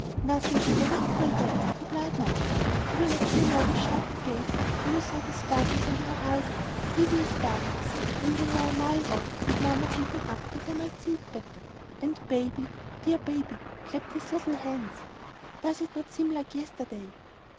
"Nothing can ever equal that," replied Margaret. "Do not you hear now the shout we gave when we saw the sparkles on the horizon, heaving sparkles, when we were a mile off, and mamma held me up that I might see it better; and baby, dear baby, clapped his little hands? Does it not seem like yesterday?"